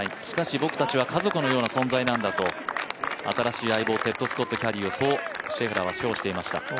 しかし僕たちは家族のような存在なんだと新しい相棒、テッド・スコットキャディーをそうシェフラーは称していました。